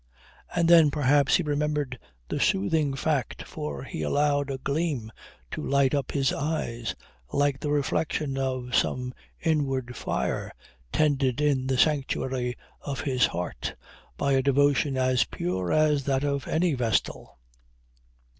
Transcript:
And then perhaps he remembered the soothing fact for he allowed a gleam to light up his eyes, like the reflection of some inward fire tended in the sanctuary of his heart by a devotion as pure as that of any vestal.